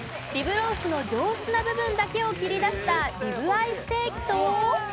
リブロースの上質な部分だけを切り出したリブアイステーキと。